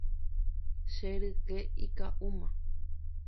Che ryke ika'úma.